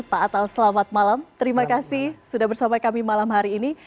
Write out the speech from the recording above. pak atal selamat malam terima kasih sudah bersama kami malam hari ini